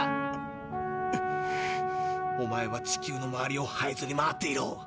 おまえは地球の周りをはいずり回っていろ。